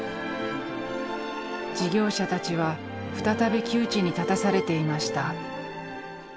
事業者たちは再び窮地に立たされていました。